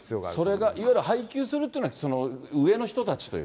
それがいわゆる配給するというのは、上の人たちという？